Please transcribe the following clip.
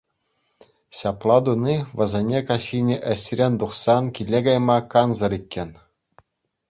Ҫапла туни вӗсене каҫхине ӗҫрен тухсан киле кайма кансӗр иккен.